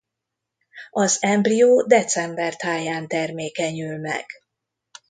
Az embrió december táján termékenyül meg.